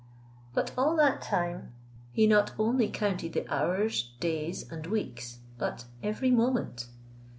But all that time he not only counted the hours, days, and weeks, but every moment.